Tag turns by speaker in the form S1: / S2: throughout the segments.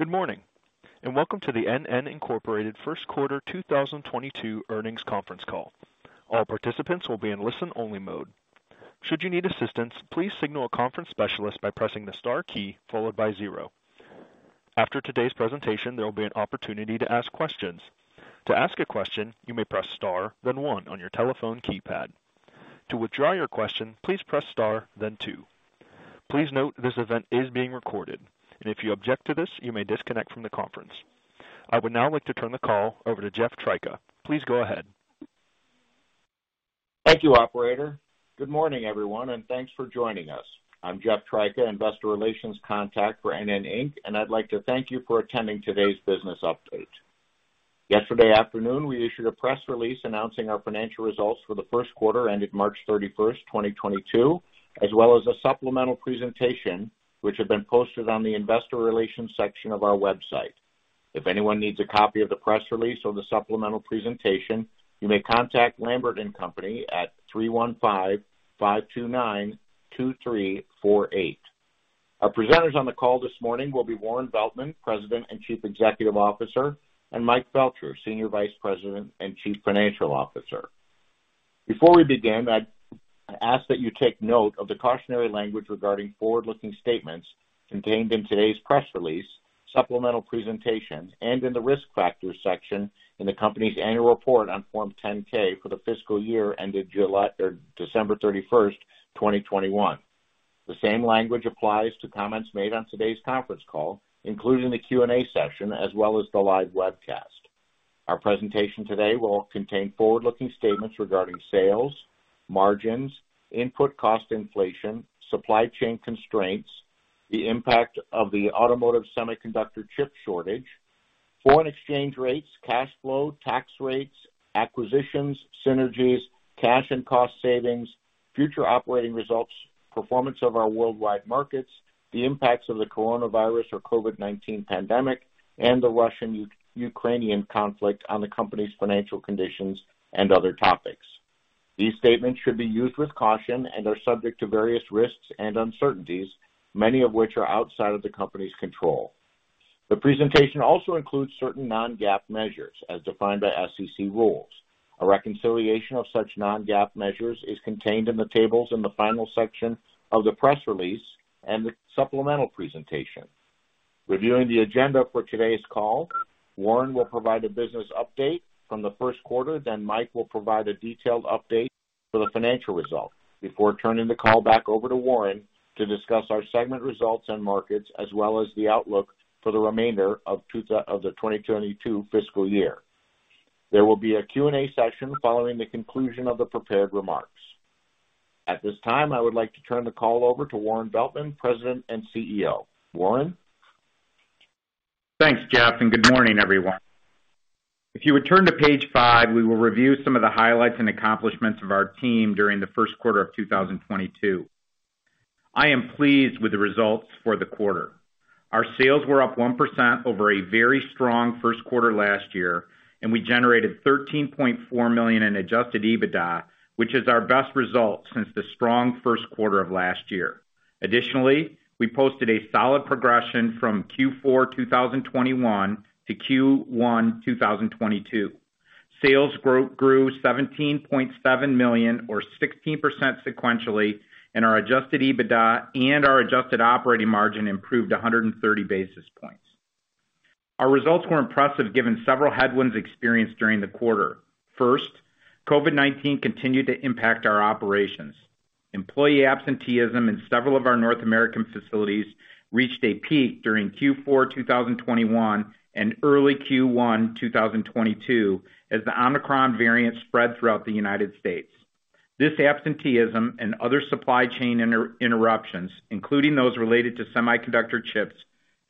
S1: Good morning, and welcome to the NN, Inc. first quarter 2022 earnings conference call. All participants will be in listen-only mode. Should you need assistance, please signal a conference specialist by pressing the star key followed by zero. After today's presentation, there will be an opportunity to ask questions. To ask a question, you may press star, then one on your telephone keypad. To withdraw your question, please press star, then two. Please note this event is being recorded, and if you object to this, you may disconnect from the conference. I would now like to turn the call over to Jeff Tryka. Please go ahead.
S2: Thank you, operator. Good morning, everyone, and thanks for joining us. I'm Jeff Tryka, Investor Relations Contact for NN, Inc., and I'd like to thank you for attending today's business update. Yesterday afternoon, we issued a press release announcing our financial results for the first quarter ended March 31st, 2022, as well as a supplemental presentation which had been posted on the investor relations section of our website. If anyone needs a copy of the press release or the supplemental presentation, you may contact Lambert & Co. at 315-529-2348. Our presenters on the call this morning will be Warren Veltman, President and Chief Executive Officer, and Mike Felcher, Senior Vice President and Chief Financial Officer. Before we begin, I'd ask that you take note of the cautionary language regarding forward-looking statements contained in today's press release, supplemental presentations, and in the Risk Factors section in the company's annual report on Form 10-K for the fiscal year ended July or December 31st, 2021. The same language applies to comments made on today's conference call, including the Q&A session, as well as the live webcast. Our presentation today will contain forward-looking statements regarding sales, margins, input cost inflation, supply chain constraints, the impact of the automotive semiconductor chip shortage, foreign exchange rates, cash flow, tax rates, acquisitions, synergies, cash and cost savings, future operating results, performance of our worldwide markets, the impacts of the coronavirus or COVID-19 pandemic, and the Russian-Ukrainian conflict on the company's financial conditions and other topics. These statements should be used with caution and are subject to various risks and uncertainties, many of which are outside of the company's control. The presentation also includes certain non-GAAP measures as defined by SEC rules. A reconciliation of such non-GAAP measures is contained in the tables in the final section of the press release and the supplemental presentation. Reviewing the agenda for today's call, Warren will provide a business update from the first quarter. Then Mike will provide a detailed update for the financial results before turning the call back over to Warren to discuss our segment results and markets, as well as the outlook for the remainder of the 2022 fiscal year. There will be a Q&A session following the conclusion of the prepared remarks. At this time, I would like to turn the call over to Warren Veltman, President and CEO. Warren?
S3: Thanks, Jeff, and good morning, everyone. If you would turn to page five, we will review some of the highlights and accomplishments of our team during the first quarter of 2022. I am pleased with the results for the quarter. Our sales were up 1% over a very strong first quarter last year, and we generated $13.4 million in Adjusted EBITDA, which is our best result since the strong first quarter of last year. Additionally, we posted a solid progression from Q4 2021 to Q1 2022. Sales grew $17.7 million or 16% sequentially, and our Adjusted EBITDA and our adjusted operating margin improved 130 basis points. Our results were impressive given several headwinds experienced during the quarter. First, COVID-19 continued to impact our operations. Employee absenteeism in several of our North American facilities reached a peak during Q4 2021 and early Q1 2022 as the Omicron variant spread throughout the United States. This absenteeism and other supply chain interruptions, including those related to semiconductor chips,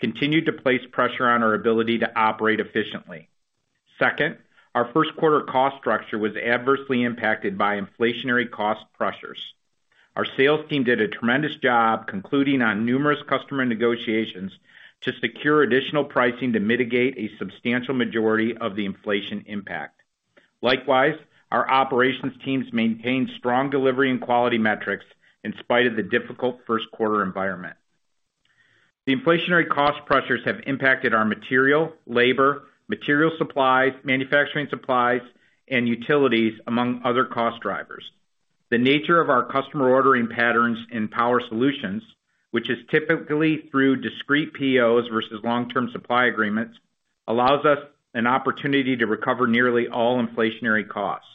S3: continued to place pressure on our ability to operate efficiently. Second, our first quarter cost structure was adversely impacted by inflationary cost pressures. Our sales team did a tremendous job concluding on numerous customer negotiations to secure additional pricing to mitigate a substantial majority of the inflation impact. Likewise, our operations teams maintained strong delivery and quality metrics in spite of the difficult first quarter environment. The inflationary cost pressures have impacted our material, labor, material supplies, manufacturing supplies, and utilities, among other cost drivers. The nature of our customer ordering patterns in Power Solutions, which is typically through discrete POs versus long-term supply agreements, allows us an opportunity to recover nearly all inflationary costs.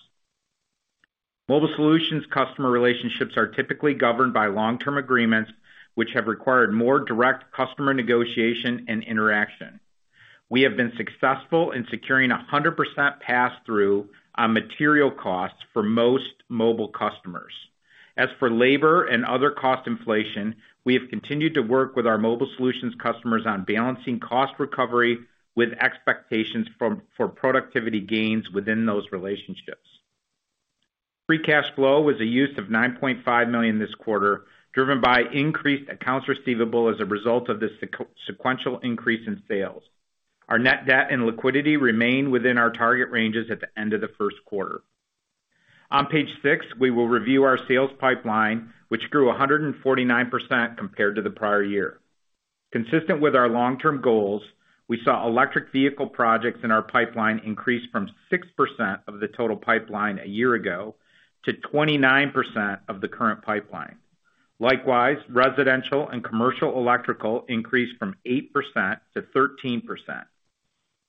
S3: Mobile Solutions customer relationships are typically governed by long-term agreements, which have required more direct customer negotiation and interaction. We have been successful in securing a 100% pass-through on material costs for most Mobile customers. As for labor and other cost inflation, we have continued to work with our Mobile Solutions customers on balancing cost recovery with expectations for productivity gains within those relationships. Free cash flow was a use of $9.5 million this quarter, driven by increased accounts receivable as a result of the sequential increase in sales. Our net debt and liquidity remained within our target ranges at the end of the first quarter. On page six, we will review our sales pipeline, which grew 149% compared to the prior year. Consistent with our long-term goals, we saw electric vehicle projects in our pipeline increase from 6% of the total pipeline a year ago to 29% of the current pipeline. Likewise, residential and commercial electrical increased from 8% to 13%.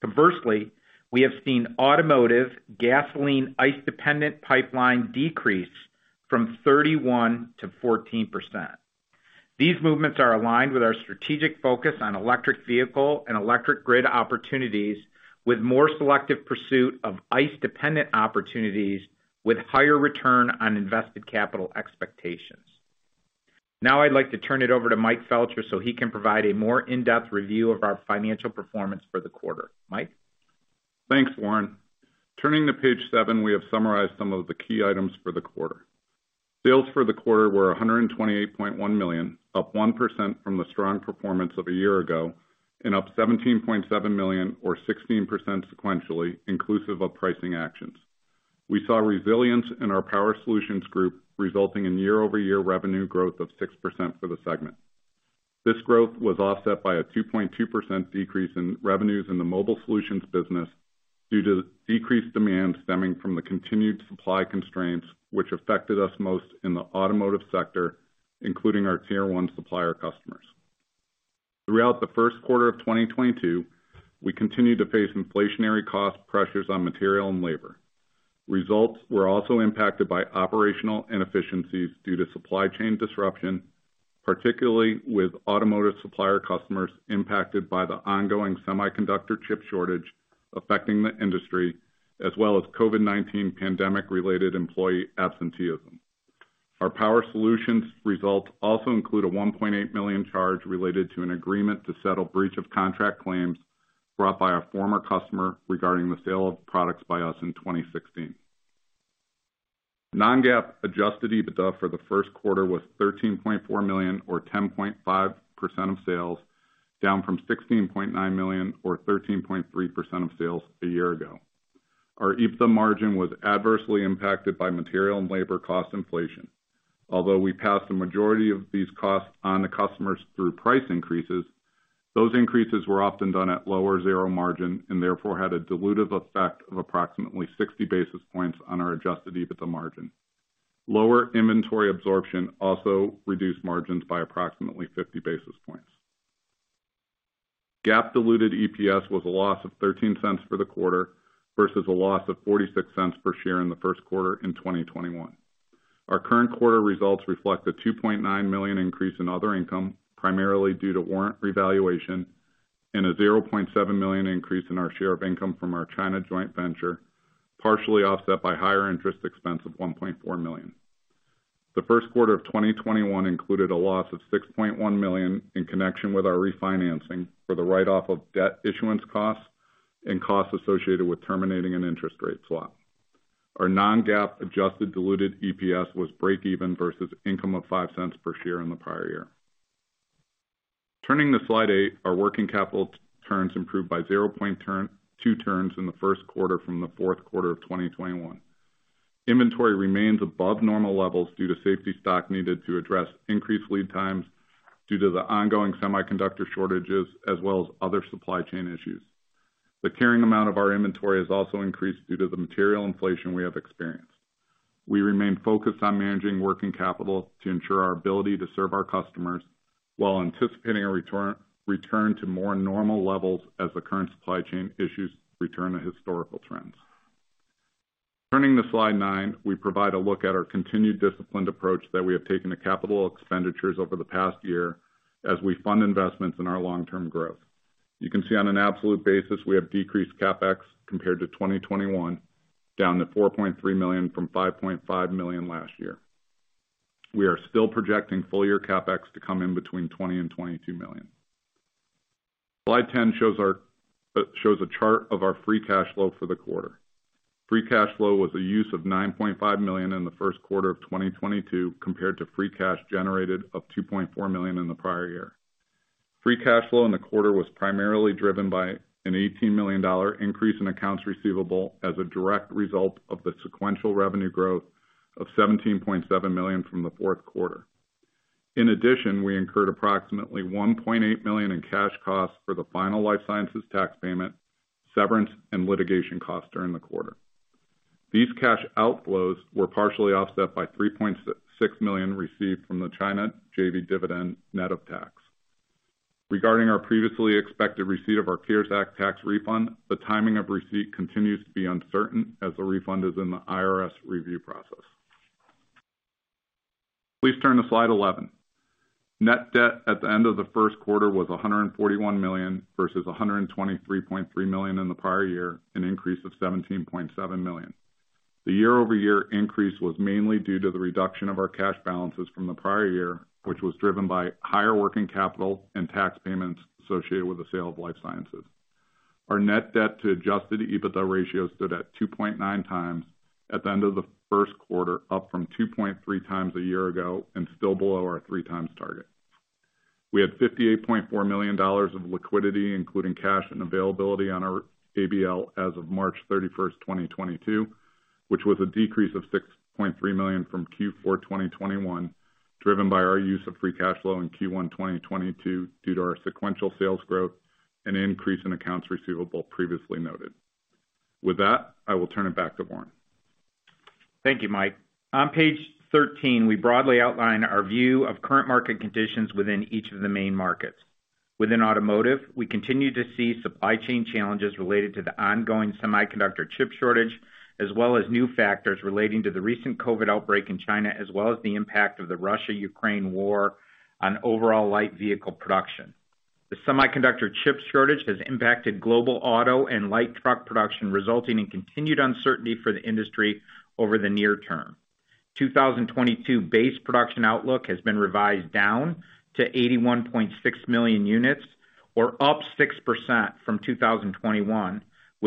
S3: Conversely, we have seen automotive gasoline ICE-dependent pipeline decrease from 31% to 14%. These movements are aligned with our strategic focus on electric vehicle and electric grid opportunities, with more selective pursuit of ICE-dependent opportunities with higher return on invested capital expectations. Now I'd like to turn it over to Mike Felcher, so he can provide a more in-depth review of our financial performance for the quarter. Mike.
S4: Thanks, Warren. Turning to page seven, we have summarized some of the key items for the quarter. Sales for the quarter were $128.1 million, up 1% from the strong performance of a year ago, and up $17.7 million or 16% sequentially, inclusive of pricing actions. We saw resilience in our Power Solutions group, resulting in year-over-year revenue growth of 6% for the segment. This growth was offset by a 2.2% decrease in revenues in the Mobile Solutions business due to decreased demand stemming from the continued supply constraints, which affected us most in the automotive sector, including our Tier 1 supplier customers. Throughout the first quarter of 2022, we continued to face inflationary cost pressures on material and labor. Results were also impacted by operational inefficiencies due to supply chain disruption, particularly with automotive supplier customers impacted by the ongoing semiconductor chip shortage affecting the industry, as well as COVID-19 pandemic-related employee absenteeism. Our Power Solutions results also include a $1.8 million charge related to an agreement to settle breach of contract claims brought by a former customer regarding the sale of products by us in 2016. Non-GAAP Adjusted EBITDA for the first quarter was $13.4 million or 10.5% of sales, down from $16.9 million or 13.3% of sales a year ago. Our EBITDA margin was adversely impacted by material and labor cost inflation. Although we passed the majority of these costs on to customers through price increases, those increases were often done at low or zero margin and therefore had a dilutive effect of approximately 60 basis points on our Adjusted EBITDA margin. Lower inventory absorption also reduced margins by approximately 50 basis points. GAAP diluted EPS was a loss of $0.13 for the quarter versus a loss of $0.46 per share in the first quarter of 2021. Our current quarter results reflect a $2.9 million increase in other income, primarily due to warrant revaluation and a $0.7 million increase in our share of income from our China joint venture, partially offset by higher interest expense of $1.4 million. The first quarter of 2021 included a loss of $6.1 million in connection with our refinancing for the write-off of debt issuance costs and costs associated with terminating an interest rate swap. Our non-GAAP adjusted diluted EPS was break even versus income of $0.05 per share in the prior year. Turning to slide eight, our working capital turns improved by 0.2 turns in the first quarter from the fourth quarter of 2021. Inventory remains above normal levels due to safety stock needed to address increased lead times due to the ongoing semiconductor shortages as well as other supply chain issues. The carrying amount of our inventory has also increased due to the material inflation we have experienced. We remain focused on managing working capital to ensure our ability to serve our customers while anticipating a return to more normal levels as the current supply chain issues return to historical trends. Turning to slide nine, we provide a look at our continued disciplined approach that we have taken to capital expenditures over the past year as we fund investments in our long-term growth. You can see on an absolute basis, we have decreased CapEx compared to 2021 down to $4.3 million from $5.5 million last year. We are still projecting full year CapEx to come in between $20 million and $22 million. Slide 10 shows a chart of our free cash flow for the quarter. Free cash flow was a use of $9.5 million in the first quarter of 2022 compared to free cash generated of $2.4 million in the prior year. Free cash flow in the quarter was primarily driven by an $18 million increase in accounts receivable as a direct result of the sequential revenue growth of $17.7 million from the fourth quarter. In addition, we incurred approximately $1.8 million in cash costs for the final life sciences tax payment, severance, and litigation costs during the quarter. These cash outflows were partially offset by $3.6 million received from the China JV dividend net of tax. Regarding our previously expected receipt of our CARES Act tax refund, the timing of receipt continues to be uncertain as the refund is in the IRS review process. Please turn to slide 11. Net debt at the end of the first quarter was $141 million versus $123.3 million in the prior year, an increase of $17.7 million. The year-over-year increase was mainly due to the reduction of our cash balances from the prior year, which was driven by higher working capital and tax payments associated with the sale of life sciences. Our Net Debt to Adjusted EBITDA ratio stood at 2.9x at the end of the first quarter, up from 2.3x a year ago and still below our 3x target. We had $58.4 million of liquidity, including cash and availability on our ABL as of March 31st, 2022, which was a decrease of $6.3 million from Q4 2021, driven by our use of free cash flow in Q1 2022 due to our sequential sales growth and an increase in accounts receivable previously noted. With that, I will turn it back to Warren.
S3: Thank you, Mike. On page 13, we broadly outline our view of current market conditions within each of the main markets. Within automotive, we continue to see supply chain challenges related to the ongoing semiconductor chip shortage, as well as new factors relating to the recent COVID outbreak in China, as well as the impact of the Russia-Ukraine war on overall light vehicle production. The semiconductor chip shortage has impacted global auto and light truck production, resulting in continued uncertainty for the industry over the near term. 2022 base production outlook has been revised down to 81.6 million units, or up 6% from 2021, with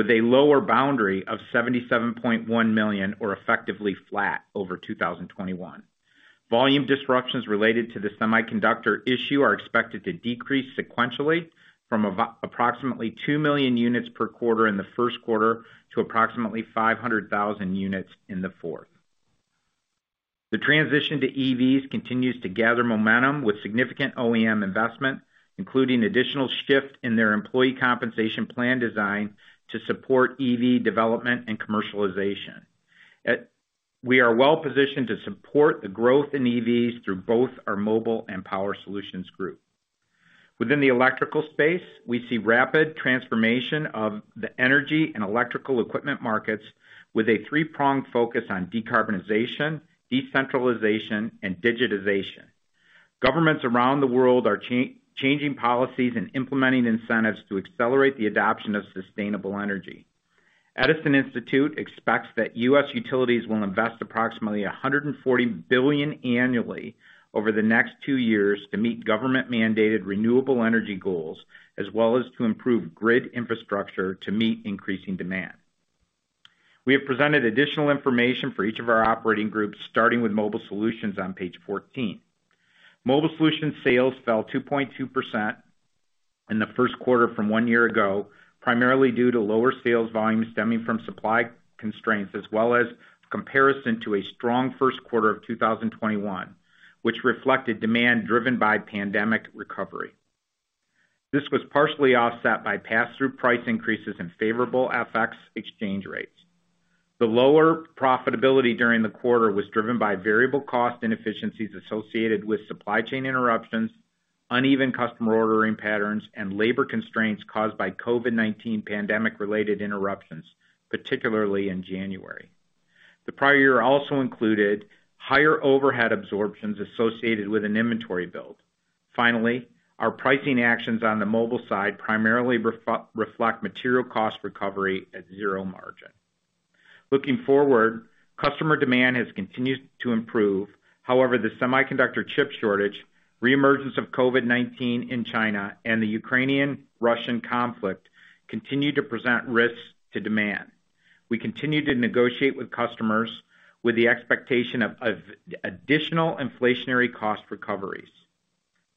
S3: a lower boundary of 77.1 million, or effectively flat over 2021. Volume disruptions related to the semiconductor issue are expected to decrease sequentially from approximately 2 million units per quarter in the first quarter to approximately 500,000 units in the fourth. The transition to EVs continues to gather momentum with significant OEM investment, including additional shift in their employee compensation plan design to support EV development and commercialization. We are well-positioned to support the growth in EVs through both our Mobile Solutions and Power Solutions group. Within the electrical space, we see rapid transformation of the energy and electrical equipment markets with a three-pronged focus on decarbonization, decentralization, and digitization. Governments around the world are changing policies and implementing incentives to accelerate the adoption of sustainable energy. Edison Electric Institute expects that U.S. utilities will invest approximately $140 billion annually over the next two years to meet government-mandated renewable energy goals, as well as to improve grid infrastructure to meet increasing demand. We have presented additional information for each of our operating groups, starting with Mobile Solutions on page 14. Mobile Solutions sales fell 2.2% in the first quarter from one year ago, primarily due to lower sales volumes stemming from supply constraints, as well as comparison to a strong first quarter of 2021, which reflected demand driven by pandemic recovery. This was partially offset by pass-through price increases and favorable FX exchange rates. The lower profitability during the quarter was driven by variable cost inefficiencies associated with supply chain interruptions, uneven customer ordering patterns, and labor constraints caused by COVID-19 pandemic-related interruptions, particularly in January. The prior year also included higher overhead absorptions associated with an inventory build. Finally, our pricing actions on the mobile side primarily reflect material cost recovery at zero margin. Looking forward, customer demand has continued to improve. However, the semiconductor chip shortage, reemergence of COVID-19 in China, and the Ukrainian-Russian conflict continue to present risks to demand. We continue to negotiate with customers with the expectation of additional inflationary cost recoveries.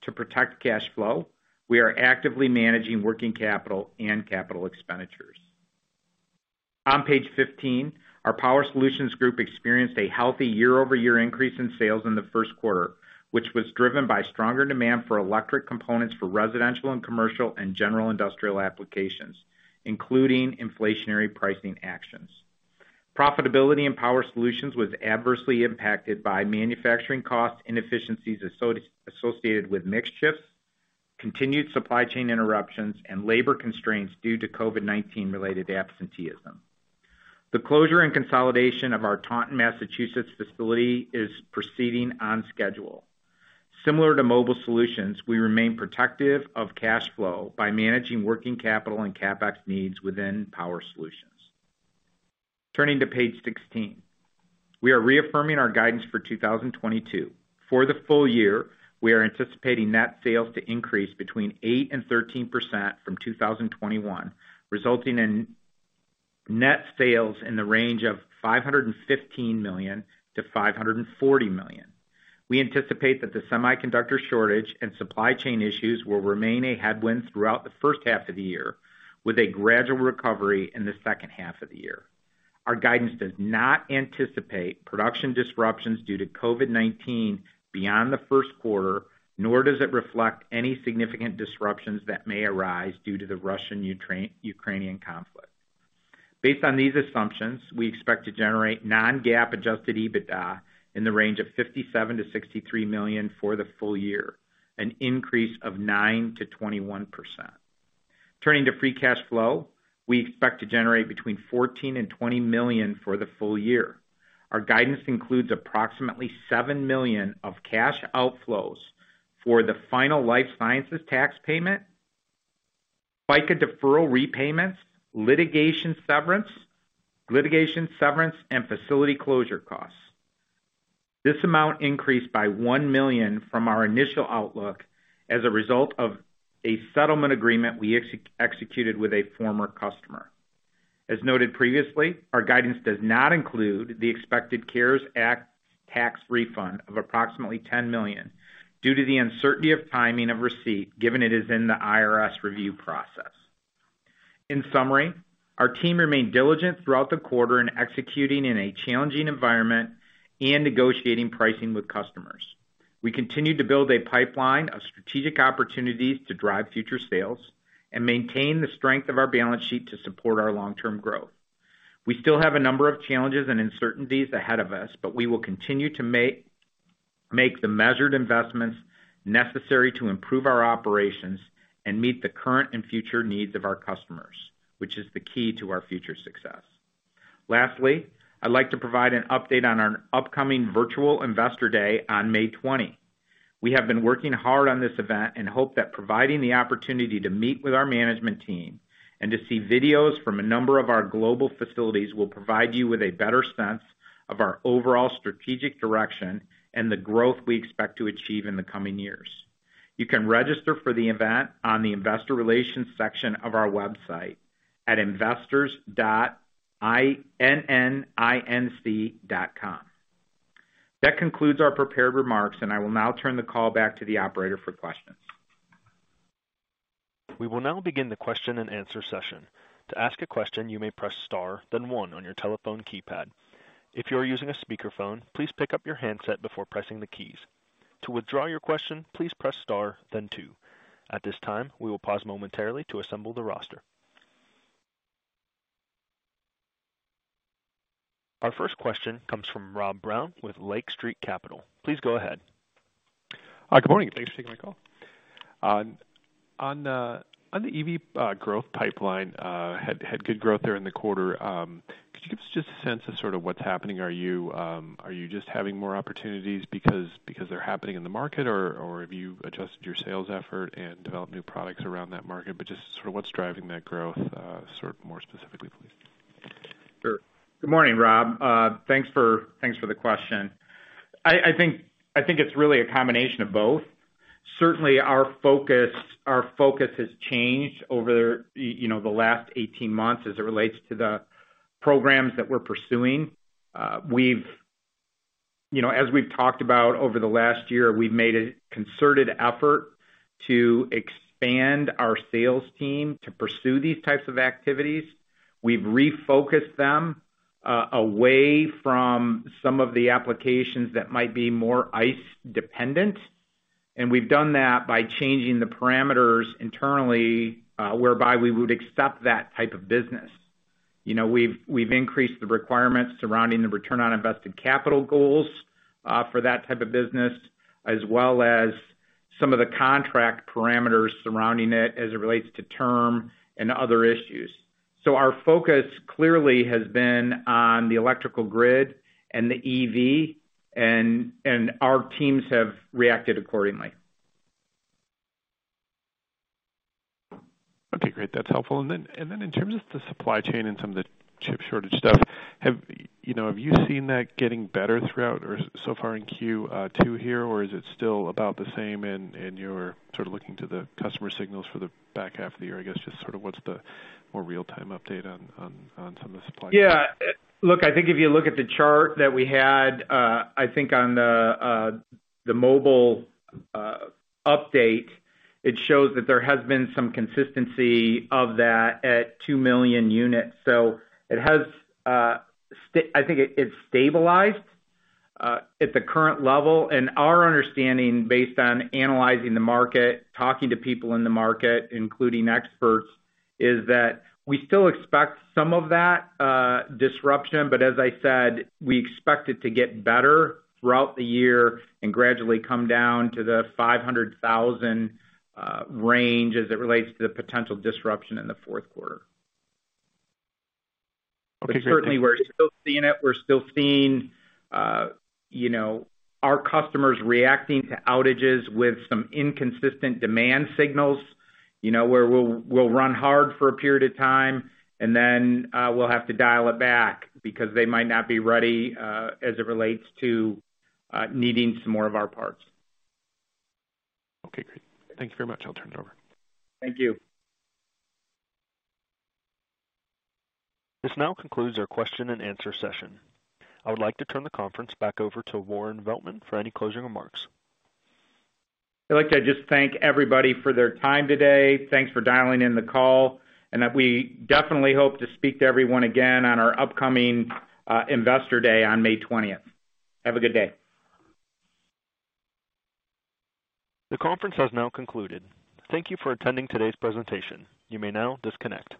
S3: To protect cash flow, we are actively managing working capital and capital expenditures. On page 15, our Power Solutions group experienced a healthy year-over-year increase in sales in the first quarter, which was driven by stronger demand for electric components for residential and commercial, and general industrial applications, including inflationary pricing actions. Profitability in Power Solutions was adversely impacted by manufacturing cost inefficiencies associated with mix shifts, continued supply chain interruptions, and labor constraints due to COVID-19-related absenteeism. The closure and consolidation of our Taunton, Massachusetts facility is proceeding on schedule. Similar to Mobile Solutions, we remain protective of cash flow by managing working capital and CapEx needs within Power Solutions. Turning to page 16. We are reaffirming our guidance for 2022. For the full year, we are anticipating net sales to increase 8% to 13% from 2021, resulting in net sales in the range of $515 million-$540 million. We anticipate that the semiconductor shortage and supply chain issues will remain a headwind throughout the first half of the year, with a gradual recovery in the second half of the year. Our guidance does not anticipate production disruptions due to COVID-19 beyond the first quarter, nor does it reflect any significant disruptions that may arise due to the Russian-Ukrainian conflict. Based on these assumptions, we expect to generate non-GAAP Adjusted EBITDA in the range of $57 million-$63 million for the full year, an increase of 9% to 21%. Turning to Free Cash Flow. We expect to generate between $14 million and $20 million for the full year. Our guidance includes approximately $7 million of cash outflows for the final life sciences tax payment, FICA deferral repayments, litigation severance, and facility closure costs. This amount increased by $1 million from our initial outlook as a result of a settlement agreement we executed with a former customer. As noted previously, our guidance does not include the expected CARES Act tax refund of approximately $10 million due to the uncertainty of timing of receipt, given it is in the IRS review process. In summary, our team remained diligent throughout the quarter in executing in a challenging environment and negotiating pricing with customers. We continued to build a pipeline of strategic opportunities to drive future sales and maintain the strength of our balance sheet to support our long-term growth. We still have a number of challenges and uncertainties ahead of us, but we will continue to make the measured investments necessary to improve our operations and meet the current and future needs of our customers, which is the key to our future success. Lastly, I'd like to provide an update on our upcoming virtual Investor Day on May 20. We have been working hard on this event and hope that providing the opportunity to meet with our management team and to see videos from a number of our global facilities will provide you with a better sense of our overall strategic direction and the growth we expect to achieve in the coming years. You can register for the event on the investor relations section of our website at investors.nninc.com. That concludes our prepared remarks, and I will now turn the call back to the operator for questions.
S1: We will now begin the question-and-answer session. To ask a question, you may press star then one on your telephone keypad. If you are using a speakerphone, please pick up your handset before pressing the keys. To withdraw your question, please press star then two. At this time, we will pause momentarily to assemble the roster. Our first question comes from Rob Brown with Lake Street Capital Markets. Please go ahead.
S5: Good morning. Thanks for taking my call. On the EV growth pipeline, had good growth there in the quarter. Could you give us just a sense of sort of what's happening? Are you just having more opportunities because they're happening in the market, or have you adjusted your sales effort and developed new products around that market? Just sort of what's driving that growth, sort of more specifically, please.
S3: Sure. Good morning, Rob. Thanks for the question. I think it's really a combination of both. Certainly our focus has changed over you know the last 18 months as it relates to the programs that we're pursuing. You know, as we've talked about over the last year, we've made a concerted effort to expand our sales team to pursue these types of activities. We've refocused them away from some of the applications that might be more ICE dependent, and we've done that by changing the parameters internally whereby we would accept that type of business. You know, we've increased the requirements surrounding the return on invested capital goals for that type of business, as well as some of the contract parameters surrounding it as it relates to term and other issues. Our focus clearly has been on the electrical grid and the EV and our teams have reacted accordingly.
S5: Okay, great. That's helpful. In terms of the supply chain and some of the chip shortage stuff, you know, have you seen that getting better throughout or so far in Q2 here, or is it still about the same and you're sort of looking to the customer signals for the back half of the year, I guess, just sort of what's the more real-time update on some of the supply?
S3: Yeah. Look, I think if you look at the chart that we had, I think on the mobile update, it shows that there has been some consistency of that at 2 million units. So it has stabilized at the current level. Our understanding based on analyzing the market, talking to people in the market, including experts, is that we still expect some of that disruption, but as I said, we expect it to get better throughout the year and gradually come down to the 500,000 range as it relates to the potential disruption in the fourth quarter.
S5: Okay.
S3: Certainly we're still seeing it. We're still seeing, you know, our customers reacting to outages with some inconsistent demand signals, you know, where we'll run hard for a period of time and then we'll have to dial it back because they might not be ready, as it relates to needing some more of our parts.
S5: Okay, great. Thank you very much. I'll turn it over.
S3: Thank you.
S1: This now concludes our question-and-answer session. I would like to turn the conference back over to Warren Veltman for any closing remarks.
S3: I'd like to just thank everybody for their time today. Thanks for dialing in the call, and we definitely hope to speak to everyone again on our upcoming Investor Day on May 20th. Have a good day.
S1: The conference has now concluded. Thank you for attending today's presentation. You may now disconnect.